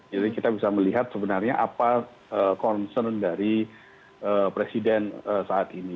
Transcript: jadi kita bisa melihat sebenarnya apa concern dari presiden saat ini